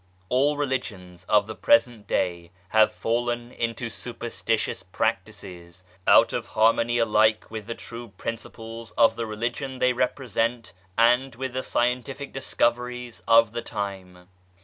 All religions of the present day have fallen into superstitious practices, out of harmony alike with the true principles of the teaching they repre sent and with the scientific discoveries of the time.